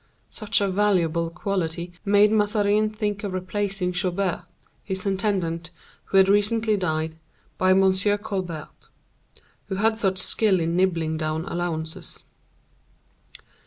Such a valuable quality made Mazarin think of replacing Joubert, his intendant, who had recently died, by M. Colbert, who had such skill in nibbling down allowances.